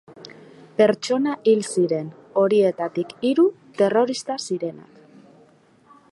Pertsona hil ziren, horietatik hiru terrorista zirenak.